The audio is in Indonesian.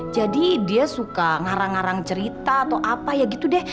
jadi dia suka ngarang ngarang cerita atau apa ya gitu deh